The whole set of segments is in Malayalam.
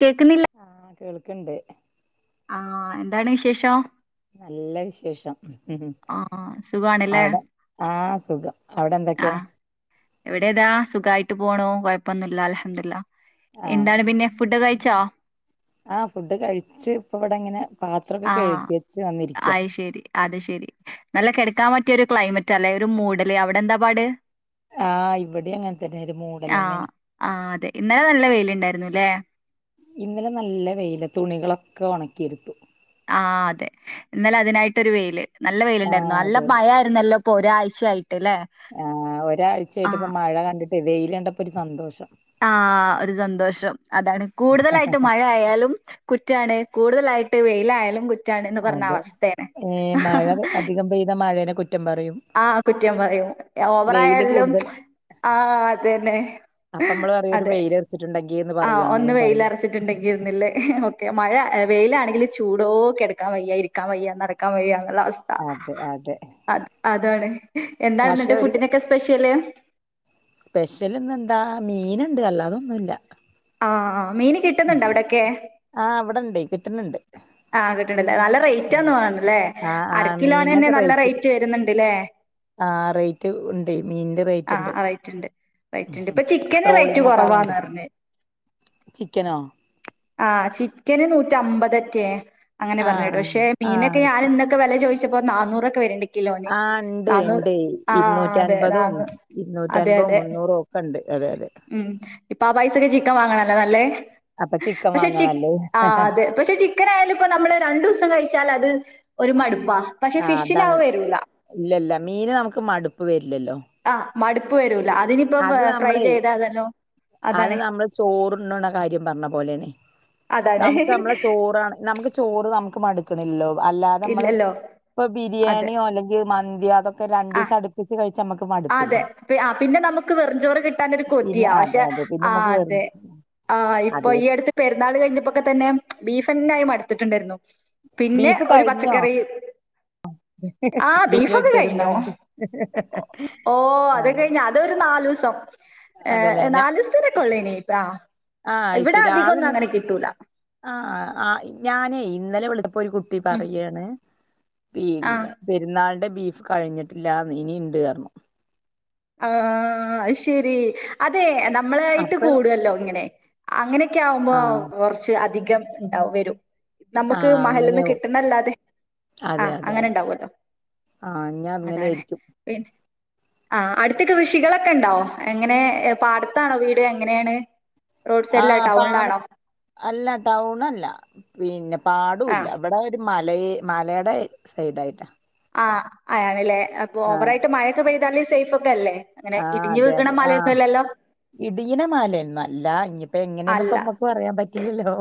കേക്ക് ന്നില്ല ആഹ് കേൾക്ക്ണ്ട് ആ എന്താണ് വിശേഷം നല്ല വിശേഷം ഉ ഹ് ആ സുഖാണല്ലേ അവിടെ ആ സുഖം അവിടെ ആ എന്തൊക്കെയ എവിടേതാ സുഖായിട്ട് പോണോ കൊഴപ്പൊന്നുല്ല അൽഹംദുലില്ലാഹ് എന്താണ് ആഹ് പിന്നെ ഫുഡൊക്കെ കഴിച്ചോ ആഹ് ഫുഡ് കഴിച്ച് ഇപ്പം ഇവിടെ ഇങ്ങനെ പാത്രൊക്കെ ആ കഴുകി വെച്ച് വന്നിരിക്കയാ ആയി ശരി അത് ശെരി നല്ല കിടക്കാൻ പറ്റിയ ഒരു ക്ലൈമറ്റാല്ലെ ഒരു മൂടല് അവിടെ എന്താ പാട് ആഹ് ഇവടിം അങ്ങനെ തന്നെ ഒരു ആ മൂടലന്നെയാണ് ആ അതെ ഇന്നലെ നല്ല വെയില് ഇണ്ടായിരുന്നുല്ലേ ഇന്നലെ നല്ല വെയില തുണികളൊക്കെ ഉണക്കിയെടുത്തു ആ അതെ ഇന്നാലെ അതിനായിട്ടൊരു വെയില് നല്ല വെയിലുണ്ടായിരുന്നു ആഹ് നല്ല അതെ അതെ മയായിരുന്നല്ലോ ഇപ്പൊ ഒരാഴ്ച ആയിട്ടല്ലെ ആഹ വെയിലേണ്ടപ്പോ ഒരു സന്തോഷം ആഹ് ഒരു സന്തോഷം അതാണ് കൂടുതലായിട്ട് മഴ ആയാലും കുറ്റാണ് കൂടുതലായിട്ട് വെയിലായാലും കു അതെ ഏ മഴ അധികം പെയ്ത മഴേനെ കുറ്റം പറയും ആ കുറ്റം പറയും വെയില് ഓവറായാലും കൂടുതൽ ആ അതന്നെ അപ്പ ഹെ നമ്മള് പറയും ഒരു അതെ വെയിലറച്ചിട്ടുണ്ടെങ്കി എന്ന് ആ പറയും ഒന്ന് അങ്ങനെയും പറയും വെയിലർച്ച ട്ടുണ്ടെങ്കിന്നുള്ളേ ഓക്കെ മഴ വെയിലാണെങ്കിൽ ചൂടോ ഒക്കെ കേടക്കാൻ വയ്യായിരി ക്കാൻ വയ്യ നടക്കാൻ വയ്യ എന്നൂള്ള അവസ് അതെ അതെ അതാണ് എന്താണ് പക്ഷെ എന്നിട്ട് ഒരു ഫുഡിനൊക്കെ സ്പെഷ്യല് സ്പെഷ്യൽ ഇന്നെന്താ മീന്ണ്ട് അല്ലാ അതൊന്നുല്ല ആഹ മീൻ കിട്ടുന്നുണ്ടോ അവിടൊക്കെ ആഹ് അവിടെണ്ടെ കിട്ടുന്ന്ണ്ട് ആഹ് കിട്ട്ണ്ട്ല്ലേ നല്ല റേറ്റ്ന്നോണല്ലേ ആഹ് ആഹ് അരക്കിലോനന്നെ നല്ല റേറ്റ് വരുന്നുണ്ട്ല്ലേ ആ റേറ്റ് ഉണ്ടെ മീന്റെ ആഹ് റേറ്റ്ണ്ട് റേറ്റ്ണ്ട്. റേറ്റ്ണ്ട്. ഉഹ് ഇപ്പൊ ചിക്കന് റേറ്റ് ട്രോളിംഗ് ഒക്കെ കൊറവാന്ന് ആയോണ്ടി പറഞ്ഞ്. ചിക്കനോ ആ ചിക്കന് നൂറ്റി അമ്പതറ്റെ അങ്ങനെ പറഞ്ഞേട്ടു ആഹ് പക്ഷെ മീനൊക്കെ ആഹ് ഞാൻ ഇന്നെക്കെ വെല ചോയ്ച്ചപ്പോ നാനൂറൊക്കെ വരണ്ട് ക്കേം ആ ഇണ്ട് ഇണ്ടെ ആഹ് അതെ ഇുന്നൂറ്റിഅൻപതും നാന്നൂ ഇരുന്നൂറ്റി അതെ അൻപോം അതെ. മുന്നൂറും ഒക്കെ ഇണ്ട് അതെ അതെ ഉം ഇപ്പൊ ആ പൈസക്ക് ചിക്കൻ വാങ്ങണല്ലോ നല്ലേ അപ്പൊ ചിക്കൻ പക്ഷെ വാങ്ങാ ചി ന്നല്ലേ ആഹ് അതെ പക്ഷെ ചിക്കൻ ആയാലും ഇപ്പം നമ്മള് രണ്ടു ദിവസം കഴിച്ചാൽ അത് ഒരു മടുപ്പാ പക്ഷെ ആഹ ഫിഷിന് അത് അതാണ് വരൂല. ഇല്ല ഇല്ല മീന് നമുക്ക് മടുപ്പ് വരില്ലല്ലോ ആ മടുപ്പ് വരൂല അതിനിപ്പോ അത് ഫ്രൈ നമ്മളെ ചെയ്ത അതല്ലോ അതാണ് ചോറുണ്ണ്ണ കാര്യം പറഞ്ഞ പോലെന്ന് അതാണ് നമുക്ക് നമ്മളെ ചോറാണ് നമുക്ക് ചോറ് നമുക്ക് മടുക്ക്ണല്ലോ അല്ലാതെ നമ്മള് ഇല്ലല്ലോ ഇപ്പൊ അതെ ബിരിയാണിയോ അല്ലെങ്കിൽ മന്ത്യോ അതൊക്കെ രണ്ടു ആഹ് ദിവസം അടുപ്പിച്ച് കഴിച്ച് നമ്മുക്ക് മടു അതെ പെ ആ പിന്നെ നമുക്ക് വെറുചോറ് കിട്ടാനൊരു പിന്നെ കൊതിയാ അതെ പക്ഷെ അതെ പിന്നെ ആ നമ്മക്ക് വെറു അതെ ആഹ് ഇപ്പൊ അതെ ഈ അടുത്ത് പെരുന്നാൾ കഴിഞ്ഞപ്പോക്കെ തന്നെ ബീഫന്നായി മടുത്തിട്ടുണ്ടായിരുന്നു പിന്നെ ബീഫ് ഒരു കഴിഞ്ഞോ പച്ചക്കറി ആഹ വിനിയോഗി ബീഫൊക്കെ കഴിഞ്ഞു പെരുന്നാളിന്റെ ഓ അത ആഹ് കഴിഞ്ഞ അതൊരു നാലുസം ഏ അതല്ലേ ഞ നാലുസത്തിണെക്കെള്ളേനി പ്പ ആഹ ഇവിടെ അധികംഒന്നും അങ്ങനെ കിട്ടൂല ആഹ ആ ഞാനേ ഇന്നലെ വിളിച്ചപ്പോ ഒരു കുട്ടി ഉം പറയാണ് ആഹ് പിന്നെ പെരുന്നാളന്റെ ബീഫ് കഴിഞ്ഞിട്ടില്ല ഇനി ഇണ്ട്ന്ന് പറഞ്ഞു ആഹ ശെരി അതെ നമ്മളായിട്ട് അപ്പഴ് കൂടുല്ലോ ഇങ്ങനെ അങ്ങനെയൊക്കെ ആകുമ്പോ ആഹ് കുറച്ച് അധികം ഉണ്ടാവ വരും നമുക്ക് ആഹ് മഹൽ നിന്ന് അങ്ങനെയാവും കിട്ടണല്ലാതെ ആഹ അങ്ങനെണ്ടാവല്ലോ ആഹ ഞാൻ അങ്ങനെയായിയിരിക്കും പിന്നെ ആ അടുത്തൊക്കെ കൃഷികളൊക്കെ ഉണ്ടാവോ എങ്ങനെ പാടത്താണോ വീട് എങ്ങനെയാണ് റോഡ് സൈഡിലാ ആഹ് പാട ടൗണിലാണോ? അല്ല ടൗൺല്ല പിന്നെ പാടില്ല ആഹ് ഇവിടെ മല മലയുടെ സൈഡ ആയിട്ടാ ആ അയാണല്ലേ അപ്പൊ ഓവറായിട്ട് മഴയൊക്കെ പെയ്താല സേഫ് ഒക്കെ അല്ലേ അങ്ങനെ ആഹ ഇടിഞ്ഞ് അതെ വീകണ അതെ ആഹ മലയൊന്നുമല്ലല്ലോ? ഇടന മലയന്നുംല്ല ഇ അപ്പൊ എങ്ങനെയൊന്നുംപ്പമ്മക്ക് പറയാൻ പറ്റില്ലല്ലോ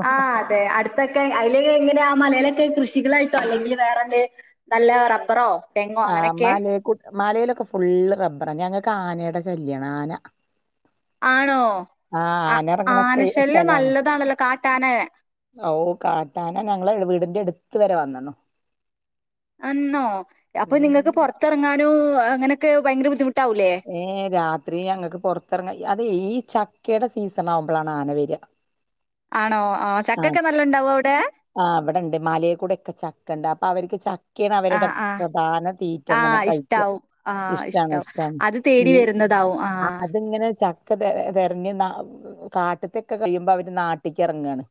അ അടുത്ത ഇതൊക്കെ അതില് എങ്ങനെ ആ മലയിലൊക്കെ കൃഷികളായിട്ടോ അല്ലെങ്കിൽ വേറെന്തെ നല്ല റബ്ബറോ തെങ്ങോ ആഹ അങ്ങനെയൊക്കെ മലൽ മലയിലൊക്കെ ഫുള്ള് റബ്ബറാ ഞങ്ങക്ക് ആനയുടെ ശല്യമാണ് ആന ആണോ ആ ആന ഇറങ്ങണ സ്ഥ- ആനശല്യം സ്ഥലാണ് നല്ലതാണല്ലോ കാട്ടാന ഓ കാട്ടാന ഞങ്ങളുടെ വീടിന്റെ അടുത്ത് വരെ വന്നണോ അന്നോ അപ്പൊ ഉം നിങ്ങൾക്ക് പുറത്തിറങ്ങാനും അങ്ങനൊക്കെ ഭയങ്കര ബുദ്ധിമുട്ടാവൂല്ലേ ഏഹ രാത്രി ഞങ്ങൾക്ക് പുറത്തിറങ്ങ അതെ ഈ ചക്കയുടെ സീസൺ ആവുമ്പോളാണ് ആന വരിക ആണോ ആഹ ചക്കൊക്കെ നല്ല ഉണ്ടാവോ അവിടെ ആ അവിടെണ്ട് മാലൽ കൂടെ ഒക്കെ ചക്ക ഉണ്ട് അപ്പൊ അവർക്ക് ചക്കാണ് ആ അവരുടെ ആ പ്രധാന തീറ്റ ആ അങ്ങനെ കഴിക്കും ഇഷ്ടാവും ആ ഇഷ്ടണ ഇഷ്ടാവും ഇഷ്ടമാണ് അത് ഈ തേടി വരുന്നതാവും ആ അതിങ്ങനെ ച ഒക്കെ തിറഞ്ഞ് കാട്ടത്തൊക്കെ കഴിയുമ്പോ അവര് നാട്ടിലക്ക് ഇറങ്ങുവയാണ്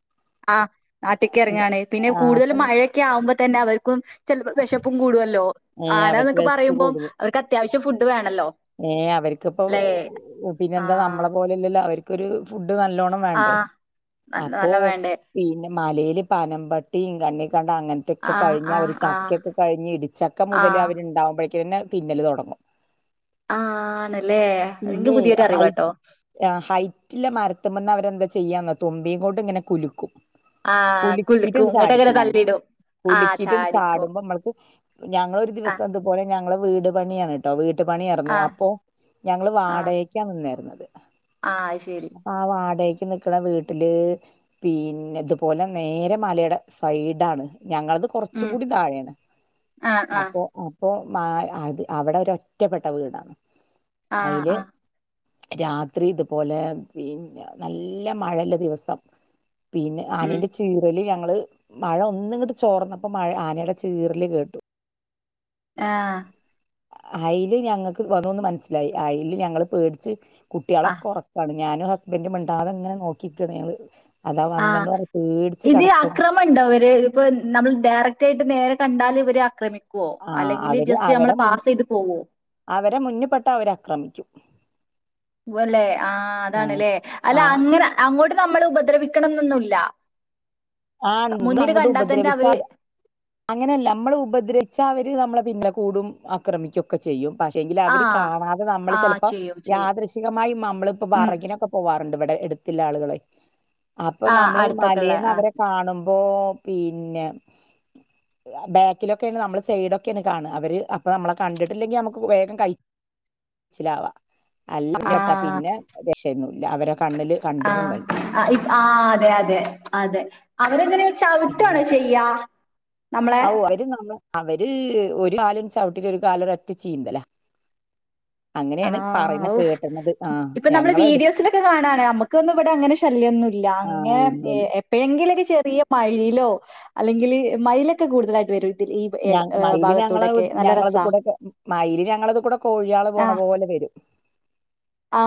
ആ നാട്ടേക്ക ഇറങ്ങാണ് പിന്നെ ആഹ് കൂടുതൽ അപ്പൊ മഴയൊക്കെ ആവുമ്പോ തന്നെ അവർക്കും ചിലപ്പോ വിശപ്പും കൂടുല്ലോ ഏഹ് ആന അവർക്ക് എന്നൊക്കെ വെശപ്പ് പറയുമ്പോം അവർക്ക് അത്യാവശ്യം ഫുഡ് വേണല്ലോ ഏ അവർക്കിപ്പോ അല്ലെ പിന്നെ എന്താ ആഹ് നമ്മളെ പോലെല്ലല്ലോ അവർക്കൊരു ഫുഡ് നല്ലോണം വേണ്ട ആഹ് നല്ല അപ്പോ നല്ല വേണ്ടേ പിന്നെ മലയില് പനമ്പട്ടി കണണ്ടങ്ങന ഇതൊക്കെ ആഹ് കഴിഞ്ഞ് അവർ ആഹ് ആഹ് ചക്കൊക്കെ കഴിഞ്ഞ് ഇടിച്ചക്ക മുതല് ആഹ് അവരുണ്ടാവകുമ്പഴേക്കുംന്നെ തിന്നല് തുടങ്ങും ആ ആണല്ലേ എക്ക് പുതിയൊരു അറിവട്ടോ ഹൈറ്റില് മരത്തുമ്പെന്ന് അവരെന്താ ചെയ്യാന്ന തുമ്പയും കൊണ്ട് ഇങ്ങനെ കുലുക്കും ആഹ് കുലുക്കും കുലക്കിട്ടൊണ്ട് ഇങ്ങട്ട് അങ്ങനെ ചാടിക്കല നക്ക് തള്ളിയിടും ആഹ് കുലുക്കിട്ട ചാടിക്കും ചാടുമ്പോ നമ്മൾക്ക് ഞങ്ങളൊ ഒരു ആഹ് ദിവസം എതുപോലെ ഞങ്ങള് വീട് പണിയാണ് കേട്ടോ വീട്ടു പണിയ ന്നു ആഹ് അപ്പോ ഞങ്ങള് വാടകക്കാ നിന്നായിരുന്നത് ആ ശരി അപ്പൊ ആ വാടക്ക് നിക്കണ വീട്ടില് പിന്നെതുപോലെ നേരെ മലയുടെ സൈഡാണ് ഞങ്ങളത് കുറച്ച ഉം കൂടി താഴെയാണ് ആഹ് ആഹ് അപ്പോ അപ്പോ അവിടെ ഒ ഒറ്റപ്പെട്ട ട്ട വീടാണ് ആഹ് അതില് ആഹ് രാത്രി ഇതുപോലെ പിന്നെ നല്ല മഴല്ല ദിവസം പിന്നെ ഉം ആനന്റെ ചീറല് ഞങ്ങള് മഴ ഒന്നും ഇങ്ങോട്ട് ചോർന്നപ്പോ മഴ ആനയുടെ ചീറിൽ കേട്ടു ആഹ അയല് ഞങ്ങക്ക് വന്നന്ന് മനസ്സിലായി അയല് ഞങ്ങള്ൾ പേടിച്ച് കുട്ടികളൊക്ക ആഹ് ഉറക്കാണ് ഞാനും ഹസ്ബൻറുംമിണ്ടാതങ്ങനെ നോക്കിക്കാണങ്ങള് അതാ വന്നോണ്ട് പറഞ് പേടിച്ച് കിടക്ക ണ്ടോ അവര് ഇപ്പ നമ്മൾ ഡയറക്റ്റ് ആയിട്ട് നേരെ കണ്ടാല് വര് അക്രമി ക്കോ ആഹ് അല്ലെങ്കിൽ അവര് ജസ്റ്റ് നമ്മളെ അവരെ മുന്ന് പാസ് ചെയ്ത് പോവോ അവരെ മുന്നിപെട്ട അവര്ക്രമിക്കും വുഅല്ലെ ആഹ് ആഹ് അതാണ്ല്ലേ അല്ല ആഹ് അങ്ങനെ അങ്ങോട്ട് നമ്മൾ ഉപദ്രവിക്കണം എന്നൊന്നുല്ല ആഹ് ഇങ്ങള് അങ്ങട്ട് തന്നെ അവര് ഉപദ്രവിച്ചാല് അങ്ങനെയല്ല നമ്മള് ഉപദ്രിച്ച അവര് നമ്മളെ പിന്നല കൂടും ആക്രമിക്കും ക്കെ ചെയ്യും പക്ഷെങ്കിൽ ആ അവര് കാണാതെ നമ്മള് ആ ചിലപ്പോ ചെയ്യും ചെയ്യും യാദൃശികമായും നമ്മളിപ്പോ ഉം വറകിനൊക്കെ പോവാറുണ്ട് ഇവടെ എടുത്തില്ല ആളുകളെ അപ്പൊ ആ നമ്മള് അടുത്തൊക്കെയുള്ള മലേന്ന് ആ അവരെ കാണുമ്പോ പിന്നെ ബാക്കിലൊക്കെണ് നമ്മള് സൈഡൊക്കെണ് കാണാ അവര് അപ്പൊ നമ്മളെ കണ്ടിട്ടില്ലെങ്കി നമുക്ക് വേഗം കയി ച്ചിലാവാ [unintelligible] ആ പെട്ടാ പിന്നെ രക്ഷയൊന്നുംല്ല അവരെ കണ്ണില് ആ കണ്ട്ട്ടുണ്ടെങ്കി ആ ഇ ആഅതെ അതെ അതെ അവര് എങ്ങനെ ചവ്ട്ടാണോ ചെയ്യാ നമ്മളെ ആവൂ അവര് നമ്മ അവര് ഒരു കാല് ചവിട്ടിട്ട് ഒരു കാല് ഒരൊറ്റ ചീന്തലാ ആ അങ്ങനെയാണ് പറയുന്ന വൂ കേട്ടണത് ആഹ് ഇപ്പൊ നമ്മള് ഞങ്ങളെടു വീഡിയോസിലൊക്കെ കാണാനാ നമ്മുക്ക് ഒന്നും ഇവടെ അങ്ങനെ ഇഷ് ശല്യന്നുല്ല അങ്ങനെ ആഹ് ഇല്ല എ എ എപ്പഴെങ്കിലൊക്കെ ചെറിയ മയിലോ അല്ലെങ്കില് മയിലൊക്കെ കൂടുതലായിട്ട് വരും. ഇതിൽ ഈ ഞ ഏഹ് മയില് ഞങ്ങളെ ഭാഗത്തൂടൊക്കെ നല്ല രസാ ഞങ്ങളത്കൂടെ ഒക്കെ മയില് ഞങ്ങളത് കൂടെ കോഴ്യാള് പോണ പോലെ വരും. ആ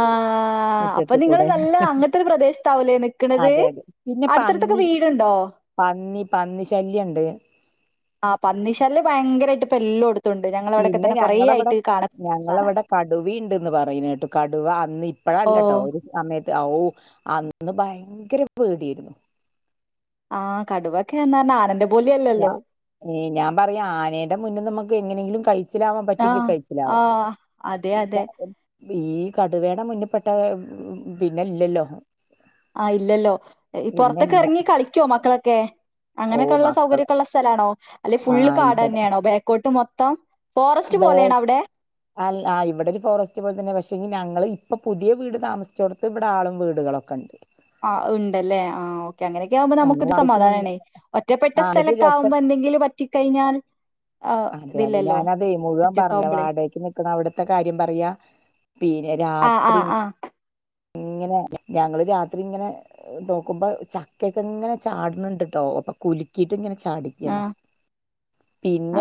ആ അപ്പൊ മുറ്റത്ത് നിങ്ങള് കൂടെ നല്ല അങ്ങൻത്തെര് പ്രദേശത്താവുലെ നിക്ക്‌ണത് അതെ അതെ പിന്നെ അടുത്തടുത്തൊക്കെ പന്നി വീട്ണ്ടോ പന്നി പന്നി ശല്യ ഇണ്ട് ആ പന്നിശല്യ ഭയങ്കരായിട്ട് ഇപ്പ എല്ലോട്ത്തുണ്ട് ഞങ്ങളെ ഇവടൊക്കെ തന്നെ കുറേ ആയിട്ട് കാണ സാനാ കടുവീണ്ടന്ന് പറയ്ണെ കേട്ടു കടുവ അന്ന് ഇപ്പഴല്ലട്ടോ ഓഹ് ഒ സമയത്ത് ഔ അന്ന് ഭയങ്കര പേടിയര്ന്നു. ആ കടുവക്കെർഞ്ഞാ ആനന്റെ ഞാ പോലയല്ലല്ലോ ഏ ഞാൻ പറയാ ആനേന്റെ മുന്ന് ന്ന് മുക്ക് എങ്ങനെങ്കിലും കയ് ച്ചിലാവാൻ പറ്റൊങ്കി ആഹ് കയ്ച്ചിലാവാ ആഹ് അതെ അതെ ഈ കടുവേടെ മുന്ന്പ്പെട്ട പിന്നെ ഇല്ലല്ലോ ആ ഇല്ലല്ലോ പിന്നെ പൊർത്ത്ക്ക്‌ ഇല്ല എർങ്ങി കളിക്കോ മക്കളൊക്കെ ഓ അങ്ങനെയൊക്കെ ഉള്ള സൗകര്യം മക്കള് ഒക്കള്ള സ്ഥലാണോ അല്ലെങ്കി ആ ഫുള്ള് ഇവിടെ കാടന്നെണോ ബേക്കോട്ട് മൊത്തം ഫോറസ്റ്റ് ബേ പോലെയാണോ അവിടെ അൽ ആ ഇവടെ ഒരു ഫോറസ്റ്റ് പോൽ തന്നെ പക്ഷെ ഞങ്ങള് ഇപ്പൊ പുതിയ വീട് താമസിച്ചോട് ത്ത് ഇവടെ ആളും വീടുകളൊക്കെ ഇണ്ട് ആ. ഇണ്ടല്ലേ ആ ഓ അങ്ങനെയൊക്കെ ആവുമ്പോ നമുക്കൊരു വാടകക്ക് നിന്ന് സമാധാനാണെ ഒറ്റപ്പെട്ട ആ എന്നിട്ട് സ്ഥലൊക്കെ രസം ആവുമ്പോ എന്തെങ്കിലും പറ്റിക്കഴിഞ്ഞാൽ ആ അതെ അതെ ഇതില്ലല്ലോ ഞാനതേ മുഴുവൻ പറഞ്ഞ ഒറ്റക്കാവുമ്പളേ വാടകയ്ക്ക് നിക്ക്‌ണ അവ്ട്ത്തെ കാര്യം പറയാ പിന്നെ ആ ആ രാത്രി ആ ഇങ്ങനെ ഞങ്ങള് രാത്രി ഇങ്ങനെ നോക്കുമ്പോ ചക്കക്കെ ഇങ്ങനെ ചാട്ണ് ണ്ട്ട്ടോ അപ്പൊ കുൽക്കിട്ട് ഇങ്ങനെ ചാടി ആ യാണ്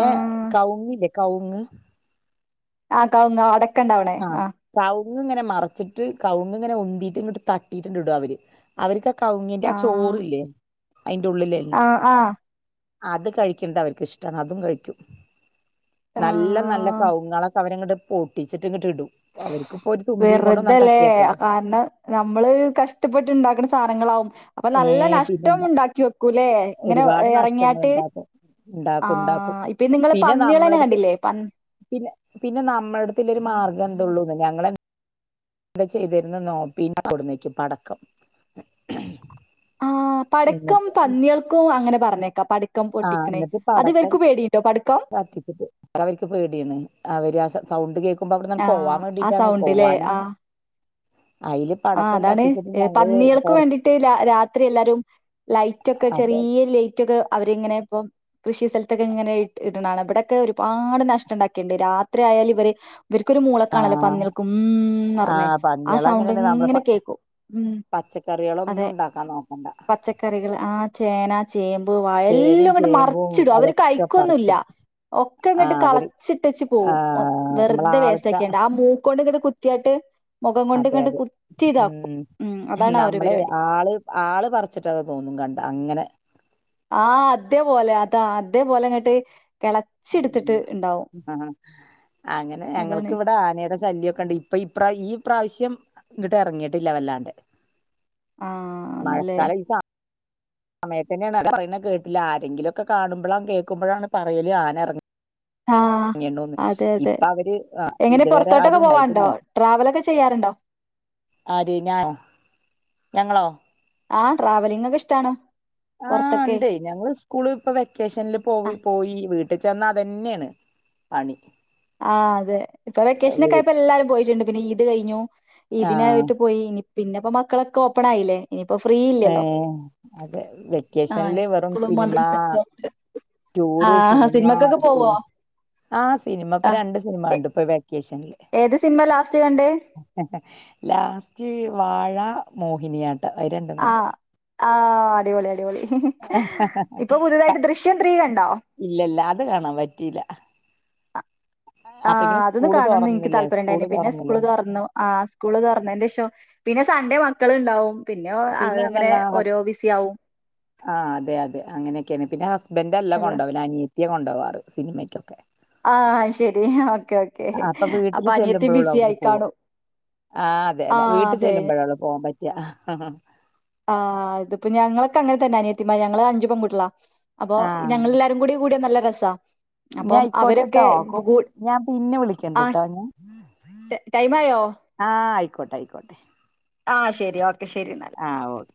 ആ കൗങ്ങില്ലേ കൗങ്ങ് ആ കൗങ്ങ് അടക്ക ഇണ്ടാവ്ണെ ആ കവുങ് ഇങ്ങനെ മർച്ചിട്ട് കവുങ്ങ് ഇങ്ങനെ ഉന്തിയിട്ട് ഇങ്ങട്ട് തട്ടിയിട്ടിടും അവര് അവര്ക്ക് കൗങ്ങിന്റെ ആ ചോറില്ലേ അയിന്റെ ഉള്ളിലെ ആ ആ അത് കഴിക്ക്‌ൺത് അവര്ക്ക് ഇഷ്ടാണ് അതും കഴിക്കും നല്ല നല്ല ആ കവുങ്ങാളൊക്കെ അവരങ്ങട് പൊട്ടിച്ട്ട് ഇങ്ങട്ട് ഇടും അവര്ക്ക്‌ ഇപ്പോ ഒരു തുമ്പിയും കൊണ്ട [unintelligible] ഏയ് ആന് നമ്മള് കഷ്ടപ്പെട്ട് ഇണ്ടാക്കുന്ന സാധനങ്ങളാവും അപ്പൊ നല്ല ഏഹ് നഷ്ട്ടം പിന്നെന്താ ഉണ്ടാക്കി വെക്കൂല്ലെ ഇങ്ങനെ ഒരുപാട് നഷ്ടങ്ങൾ എറങ്ങിയാട്ട് ഉണ്ടാക്കും ആ ഉണ്ടാക്കും ഉണ്ടാക്കും ഇപ്പ നിങ്ങള് പിന്നെ പന്നികൾ തന്നെ നമ്മളടുത്ത് കണ്ടില്ലേ പ പിന്നെ പിന്നെ നമ്മടത്തൊരു മാർഗ്ഗം എന്ത്‌ ഉള്ളൂന്ന് ഞങ്ങള് - എന്താ ചെയ്തിരുന്നന്നോ പിന്നെ കൊണ്ട് വന്ന് വെക്കും പടക്കം ആഹ് പടക്കം എന്നിട്ട് പന്നികൾക്കും അങ്ങനെ പറഞ്ഞേക്കാം പടക്കം പൊട്ടിക്കണേ അത് ഇവർക്കും പേടിയുണ്ടോ പടക്കം കാത്തിട്ടിട്ട് അവർക്ക് പേടിണ് അവര് ആ സൗണ്ട് കേൾക്കുമ്പോ അവിടെ അങ്ങ് പോവാൻ ആഹ് ആ വേണ്ടിട്ടാണ് സൗണ്ട്ല്ലേ ആ പോവാനാണ് അയില് ആഹ് പടക്കം അതാണ് കത്തിച്ചിട്ട് ഞങ്ങള് പന്നികൾക്ക് പൊറ വേണ്ടിട്ട് രാത്രി എല്ലാരും- ലൈറ്റൊക്കെ അതെ ചെറിയ ലൈറ്റ് ഒക്കെ അവരിങ്ങനെ ഇപ്പം- കൃഷി സ്ഥലത്തൊക്കെ ഇങ്ങനെ ഇടണം ഇവിടെക്കെ ഒരുപാട് നഷ്ട്ടം ഉണ്ടാക്കിട്ടണ്ട് രാത്രി ആയാൽ ഇവര്- ഇവർക്കൊരു മൂളക്കാണല്ലോ ആഹ് പന്നികൾക്കും മൂം എന്ന് പറഞ്ഞ് ആഹ് ആ പന്നികള് സൗ അങ്ങനെയാണ് നമ്മള് പ ണ്ടിങ്ങനെ കേക്കും ഉം പച്ചക്കറികളൊന്നും അതെ ഉണ്ടാക്കാൻ നോക്കണ്ട പച്ചക്കറികൾ ആ ചേന ചേമ്പ് വാഴ എല്ലാം ചേനയും ഇങ്ങട്ട് ചേമ്പും മറിച്ചിടും അവര് അതൊക്കെ കഴിക്കുവൊന്നുവില്ല പറിച്ചിടും ഒക്കെ ഇങ്ങോട്ട് ആഹ് അവര് കളച്ചിട്ടെച്ച് പോവും ആഹ് നമ്മള വെറുതെ വേസ്റ്റ് ആള്ക്ക ആക്കേണ്ട ആ മൂക്കൊണ്ട് ഇങ്ങട്ട് കു- കുത്തിയായിട്ട് മുഖം കൊണ്ട് അതെ ഇങ്ങട്ട് അതെ കുത്തി ഇതാക്കും ഉം ഉം അതാണ് ആ ഒരു നമ്മളെ പരിപാടി ആള് ആള് പറിച്ചിട്ടതാന്ന് തോന്നും കണ്ട അങ്ങനെ ആഹ് അതേ പോലെ അതാ അതേ പോലെങ്ങട്ട്- അങ്ങ ആ അങ്ങനെ അതാണ് ഞങ്ങൾക്ക് ഇവടെ ആനെടെ ശല്യ ഒക്കെണ്ട് അപ്പൊ ഇപ്ര ഈ പ്രാവശ്യം ഇങ്ങിട്ട് ഇറങ്ങിയിട്ടില്ല വല്ലാണ്ട് ആഹ് അ നല്ലേ മഴക്കാലം ഈ സമയത്ത് തന്നെയാണ് പറയുന്നത് കേട്ടില്ല ആരെങ്കിലൊക്കെ കാണുമ്പോഴാണ് കേൾക്കുമ്പോഴാണ് പറയല് ആന എറങ്ങി ആഹ് ങ്ങിയെണ്ണൂന്ന് അതെ അതെ ഇപ്പ അവര് അഹ് എങ്ങനെ ഇതുവരെ പുറത്തോട്ടൊക്കെ ആരും ഉണ്ടായിട്ടില്ല പോവാണ്ടോ ട്രാവലൊക്കെ ചെയ്യാറുണ്ടോ ആര് ഞാ ഞങ്ങളോ ആഹ് ട്രാവലിംഗക്കെ ഇഷ്ട്ടാണ് ആഹ്ണ്ടേ ഞങ്ങള്സ് കൂള്പ്പൊ വെക്കേഷനിൽ ആ പോയി പോയി വീട്ടി ചെന്ന അതന്നെണ് പണി ആഹ് അതെ ഇപ്പൊ വെക്കേഷനക്കെ ആയപ്പോ എല്ലാരും പോയിറ്റ്ണ്ട് പിന്നെ ഈദ് കഴിഞ്ഞു ആഹ് ഈതിനായിട്ട് പോയി ഇനി പിന്നെപ്പോ മക്കളൊക്കെ ഓപ്പണായില്ലേ ഏഹ് അത് ആഹ് വെക്കേഷനില് ഇനിപ്പോ വെറും സ്കൂളും സിനിമാ മദ്രസയും ഒക്കെ ആയിട്ട് ടുറ് ആഹ് സിനിമ സിനിമക്കൊക്കെ പോവോ ഉം ആഹ് ആ സിനിമപ്പൊ രണ്ട് സിനിമ എ- കണ്ടുപ്പൊ വെക്കേഷനില് ഏത് സിനിമേ ലാസ്റ്റ് കണ്ട് ലാസ്റ്റ് വാഴ മോഹിനിയാട്ട അഹ് രണ്ടും കണ്ടു ആഹ് ആഹ് അടിപൊളി അടിപൊളി ഇപ്പൊ പുതുതായിട്ട് ദൃശ്യം ത്രീ കണ്ടോ ഇല്ല ഇല്ല അത് കാണാ പറ്റില ആഹ് അതൊന്ന് സ്കൂള് കാണന്ന് എനിക്ക് തുറന്നില്ലേ താപര്യണ്ടായിന് സ്കൂള് പിന്നെ സ്കൂള് തുറന്നില്ലേ തുറന്നു ആഹ് സ്കൂള് തുറന്നന്റെ ശേഷം പിന്നെ സൺഡേ മക്കള്ണ്ടാവും പ്പൊ പിന്നെ അത്ങ്ങനെ അതല്ല ഓരോ ബിസി ആവും ആഹ് അതെ അത അങ്ങനെക്കെണ് പിന്നെ ഹസ്ബൻഡ് അല്ല അത് കൊണ്ടോവല് അനിയ ത്തിയാ കൊണ്ടോവാർ സിനിമയ്ക്കൊക്കെ ആഹ് ശെരി ഓക്കേ ഓക്കേ അപ്പൊ അനിയത്തി ബിസി ആയികാണും ആഹ് അതെ അതെ വീട്ടു ചെല്ലുമ്പോഴേള്ളു പോവാൻ പറ്റ ആഹ് ഇത്പ്പ ഞങ്ങളൊക്കെ അങ്ങനെ തന്നെ അനിയത്തിമാ ഞങ്ങള് അഞ്ചു പെൺകുട്ടളാ അപ്പൊ ആഹ് ഞങ്ങളല്ലാരും കൂടി കൂടിയ നല്ല രസാ ഇഞ്ഞ അപ്പം അവരൊക്കെ അയ്ക്കോട്ടട്ടോ ഇപ്പൊ കൂ ഞാ പിന്നെ വിളിക്കണ്ട്ട്ടോ ഞാ ടൈംമായോ ആഹ് അയിക്കോട്ടെ അയിക്കോട്ടെ ആഹ് ശരി ഓക്കെ ശരിന്നാ ഓക്കെ